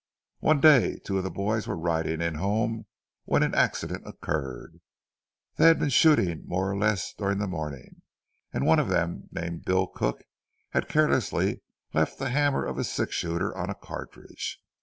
One day two of the boys were riding in home when an accident occurred. They had been shooting more or less during the morning, and one of them, named Bill Cook, had carelessly left the hammer of his six shooter on a cartridge.